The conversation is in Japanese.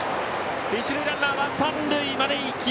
一塁ランナーは三塁まで。